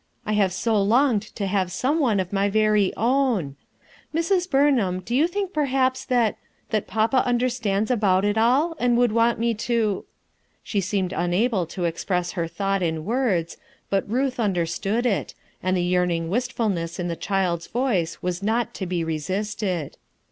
I have so longed to have some one of my very own. Mrs. Burnliam,.do you think perhaps that — that papa understands about it all, and would want me to —" She seemed unable to express her thought in words, but Ruth understood it, and the yearning wistfulness in the child's voice was not to be resisted.